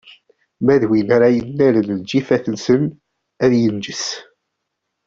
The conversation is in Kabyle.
Ma d win ara yennalen lǧifat-nsen, ad inǧes.